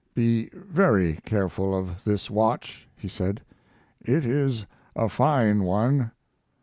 "Be very careful of this watch," he said. "It is a fine one."